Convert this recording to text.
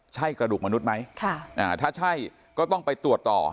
ใช่กระดูกมนุษย์ไหมถ้าใช่ก็ต้องไปตรวจต่อ